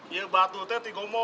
ini bantuan itu dikomen